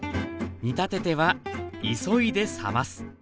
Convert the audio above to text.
煮立てては急いで冷ます。